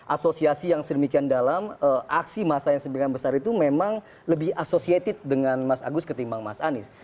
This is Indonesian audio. asosiasi yang sedemikian dalam aksi masa yang sedemikian besar itu memang lebih associated dengan mas agus ketimbang mas anies